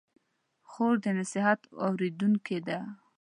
خور د نصیحت اورېدونکې ده.